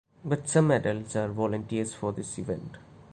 But some adults are volunteers for this event.